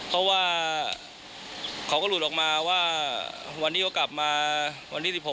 เพราะว่าเขาก็หลุดออกมาว่าวันที่เขากลับมาวันที่๑๖